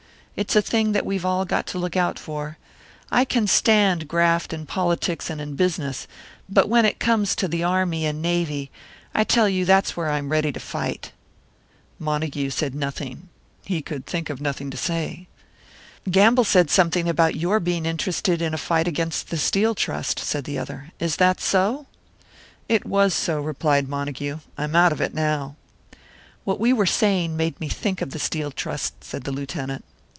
It's a thing that we've all got to look out for; I can stand graft in politics and in business, but when it comes to the Army and Navy I tell you, that's where I'm ready to fight." Montague said nothing. He could think of nothing to say. "Gamble said something about your being interested in a fight against the Steel Trust," said the other. "Is that so?" "It was so," replied Montague. "I'm out of it now." "What we were saying made me think of the Steel Trust," said the Lieutenant.